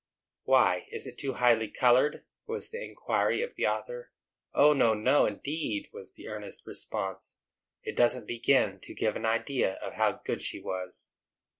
"Why, is it too highly colored?" was the inquiry of the author. "O, no, no, indeed," was the earnest response; "it doesn't begin to give an idea of how good she was."